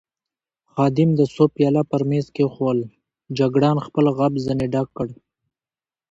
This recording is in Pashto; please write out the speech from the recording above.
خادم د سوپ پیاله پر مېز کېښوول، جګړن خپل غاب ځنې ډک کړ.